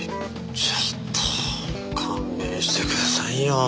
ちょっと勘弁してくださいよ。